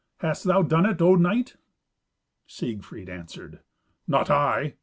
Hast thou done it, O knight?" Siegfried answered, "Not I.